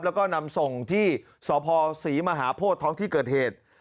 แล้วก็นำส่งที่สพศรีมหาโพธิท้องที่เกิดเหตุ